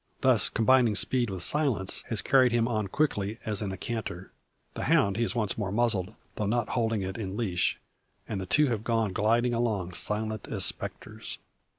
This, combining speed with silence, has carried him on quickly as in a canter. The hound he has once more muzzled, though not holding it in leash; and the two have gone gliding along silent as spectres.